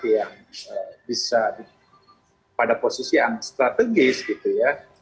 beliau akan memiliki tempat yang bisa pada posisi yang strategis gitu ya